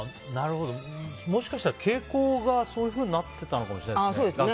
もしかしたら傾向がそういうふうになってたのかもしれないですね。